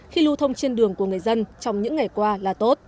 khi lưu thông trên đường của người dân trong những ngày qua là tốt